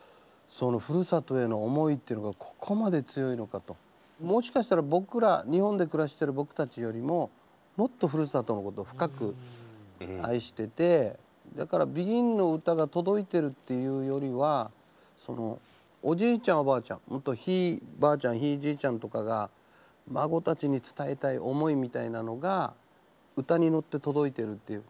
やっぱりもしかしたら僕ら日本で暮らしてる僕たちよりももっとふるさとのことを深く愛しててだからＢＥＧＩＮの歌が届いてるっていうよりはそのおじいちゃんおばあちゃんとひいばあちゃんひいじいちゃんとかが孫たちに伝えたい思いみたいなのが歌に乗って届いてるっていう。